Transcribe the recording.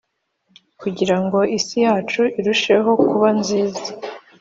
kugira ngo isi yacu irusheho kuba nziza